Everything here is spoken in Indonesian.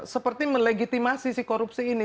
seperti melegitimasi si korupsi ini